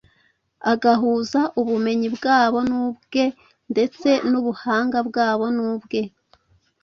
agahuza ubumenyi bwabo n’ubwe ndetse n’ubuhanga bwabo n’ubwe.